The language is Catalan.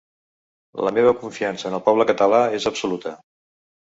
La meva confiança en el poble català és absoluta.